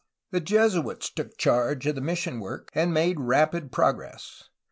The Jesuits took charge of the mission work and made rapid progress.